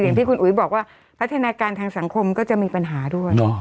อย่างที่คุณอุ๋ยบอกว่าพัฒนาการทางสังคมก็จะมีปัญหาด้วย